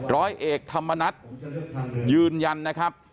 ร้อยเอกธรรมนัฏยืนยันนะครับ